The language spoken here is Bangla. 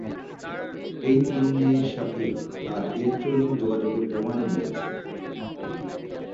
এই তিন মেয়ের সাথে তার ইলেকট্রনিক যোগাযোগের প্রমাণ মিলেছে।